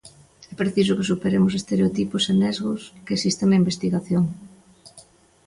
É preciso que superemos estereotipos e nesgos que existen na investigación.